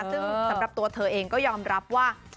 ซึ่งสำหรับตัวเธอเองก็ยอมรับว่า